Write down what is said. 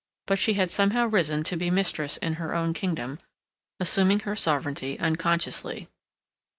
But she had somehow risen to be mistress in her own kingdom, assuming her sovereignty unconsciously.